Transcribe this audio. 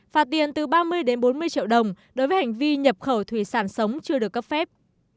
phạt tiền từ ba mươi đến bốn mươi triệu đồng đối với hành vi nhập khẩu thủy sản sống chưa được cấp phép